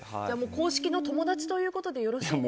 公式の友達ということでよろしいですか？